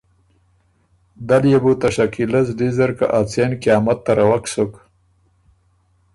دل يې بو که ته شکیلۀ زلی زر که ا څېن قیامت تروک سُک